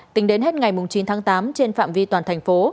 tính đến hết ngày chín tháng tám trên phạm vi toàn thành phố